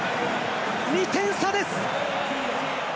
２点差です。